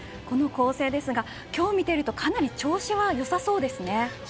この構成ですが、今日見ているとかなり調子はよさそうですね。